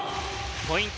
ポイント